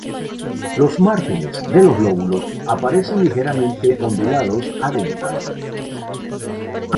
Los márgenes de los lóbulos aparecen ligeramente ondulados a dentados.